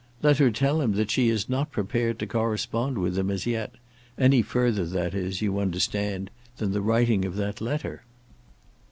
Let her tell him that she is not prepared to correspond with him as yet, any further that is, you understand, than the writing of that letter."